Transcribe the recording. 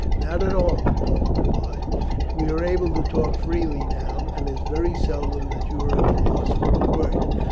"Not at all," the Pole replied. "We are able to talk freely now, and it is very seldom that you are at a loss for a word.